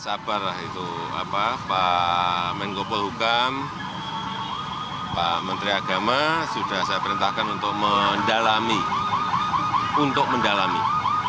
sabarlah itu pak menko polhukam pak menteri agama sudah saya perintahkan untuk mendalami untuk mendalami